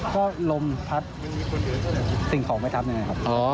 ก็ลมพัดติ่งของไปทับอย่างนั้นครับ